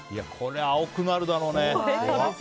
これ、青くなるだろうね。